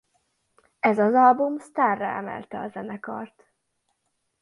Ez az album sztárrá emelte a zenekart.